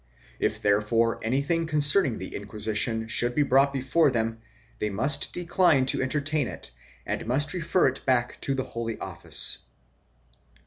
If therefore anything concerning the Inquisition should be brought before them they must decline to entertain it and must refer it back to the Holy Office.